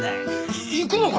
い行くのか？